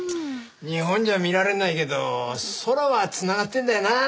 日本じゃ見られないけど空は繋がってるんだよなあ